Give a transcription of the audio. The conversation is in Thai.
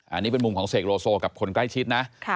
อันนี้เป็นมุมของเสกโลโซกับคนใกล้ชิดนะ